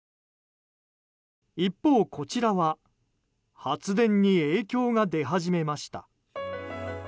一方、こちらは発電に影響が出始めました。